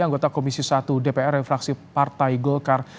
anggota komisi satu dpr refraksi partai golkar